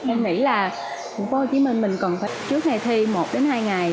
em nghĩ là phố hồ chí minh mình còn phải trước ngày thi một hai ngày